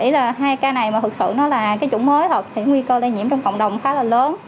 là hai ca này mà thực sự nó là cái chủng mới thật thì nguy cơ lây nhiễm trong cộng đồng khá là lớn